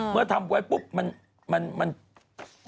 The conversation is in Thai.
เมื่อทำไว้ปุ๊บมันก็น่าวเสีย